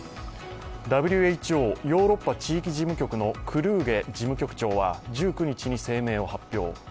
ＷＨＯ・ヨーロッパ地域事務局のクルーゲ事務局長は１９日に声明を発表。